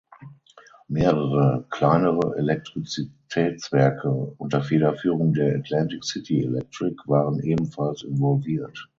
Mehrere kleinere Elektrizitätswerke unter Federführung der "Atlantic City Electric" waren ebenfalls involviert.